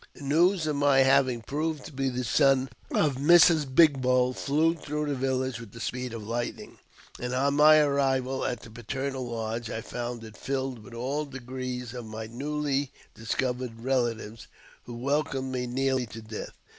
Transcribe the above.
The news of my having proved to be the son of Mrs. Big Bowl flew through the village with the speed of lightning, and, on my arrival at the paternal lodge, I found it filled with all degrees of my newly discovered relatives, who welcomed me nearly to death.